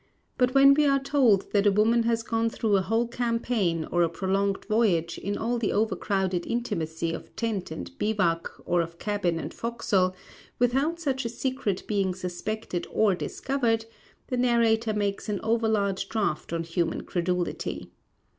But when we are told that a woman has gone through a whole campaign or a prolonged voyage in all the overcrowded intimacy of tent and bivouac or of cabin and forecastle, without such a secret being suspected or discovered, the narrator makes an overlarge draft on human credulity.